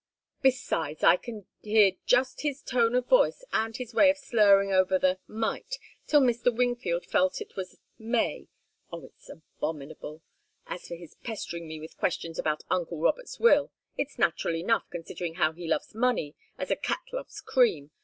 "Besides, I can hear just his tone of voice, and his way of slurring over the 'might' till Mr. Wingfield felt it was 'may' oh, it's abominable! As for his pestering me with questions about uncle Robert's will, it's natural enough, considering how he loves money, as a cat loves cream.